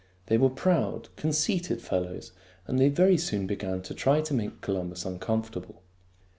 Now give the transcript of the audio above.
They were proud, conceited fellows, and they very soon began to try to make Columbus uncomfortable.